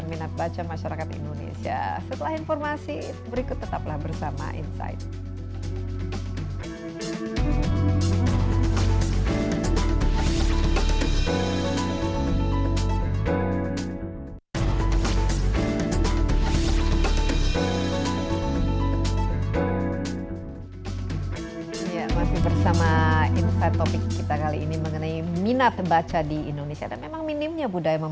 enggak dulu lah kita nanti jangan mempermalukan